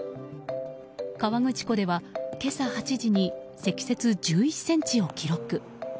河口湖では今朝８時に積雪１１ｃｍを記録。